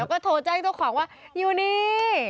แล้วก็โทรแจ้งเจ้าของว่าอยู่นี่